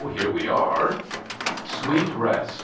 "Here we are." Sweet rest!